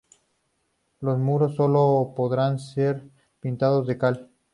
Los muros sólo podrán ser pintados a la cal.